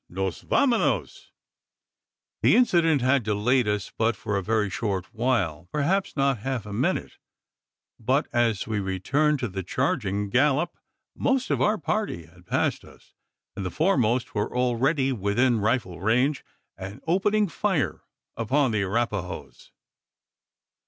nos vamonos_!" The incident had delayed us but for a very short while perhaps not half a minute; but as we returned to the charging gallop, most of our party had passed us; and the foremost were already within rifle range, and opening fire upon the Arapahoes.